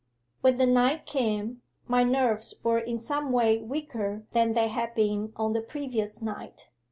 'When the night came, my nerves were in some way weaker than they had been on the previous night.